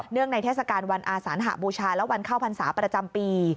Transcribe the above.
ในเทศกาลวันอาสานหบูชาและวันเข้าพรรษาประจำปี